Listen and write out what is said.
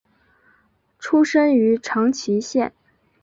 出身于长崎县。